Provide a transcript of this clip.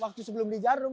waktu sebelum di jarum